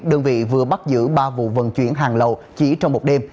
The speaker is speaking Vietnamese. đơn vị vừa bắt giữ ba vụ vận chuyển hàng lậu chỉ trong một đêm